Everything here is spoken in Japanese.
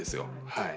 はい。